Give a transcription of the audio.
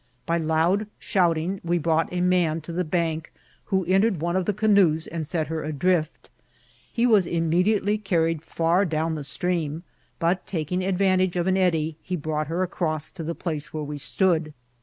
By loud shouting we brought a man to the bank, who entered one of the canoes and set her adrift ; he was immediately carried far down the stream ; but, taking advantage of an eddy, he brought her across to the place where we stood.